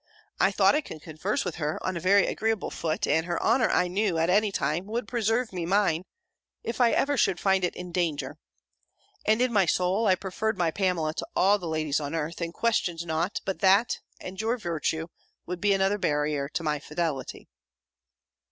I thought I could converse with her, on a very agreeable foot, and her honour I knew, at any time, would preserve me mine, if ever I should find it in danger; and, in my soul, I preferred my Pamela to all the ladies on earth, and questioned not, but that, and your virtue, would be another barrier to my fidelity.